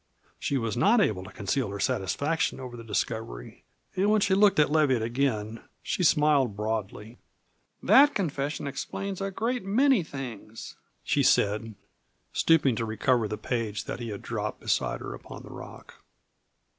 She was not able to conceal her satisfaction over the discovery, and when she looked at Leviatt again she smiled broadly. "That confession explains a great many things," she said, stooping to recover the page that he had dropped beside her upon the rock.